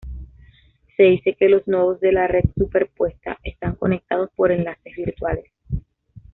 Se dice que los nodos de la red superpuesta están conectados por enlaces virtuales.